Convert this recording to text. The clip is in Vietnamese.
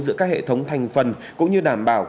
giữa các hệ thống thành phần cũng như đảm bảo